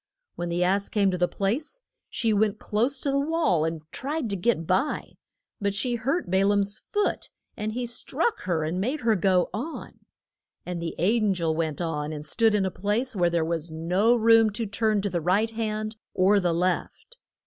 When the ass came to the place she went close to the wall and tried to get by. But she hurt Ba laam's foot and he struck her and made her go on. And the an gel went on and stood in a place where there was no room to turn to the right hand or the left.